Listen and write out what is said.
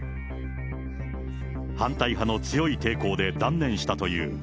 反対派の強い抵抗で断念したという。